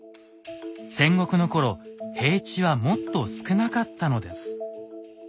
戦国の頃平地はもっと少なかったのです。